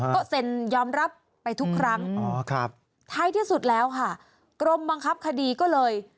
ก็เซ็นยอมรับไปทุกครั้งท้ายที่สุดแล้วค่ะกรมบังคับคดีก็เลย